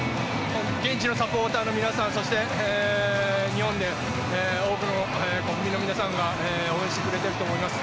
現地のサポーターの皆さん、そして日本で多くの国民の皆さんが応援してくれていると思います。